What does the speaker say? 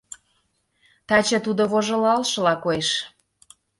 Таче тудо вожылалшыла коеш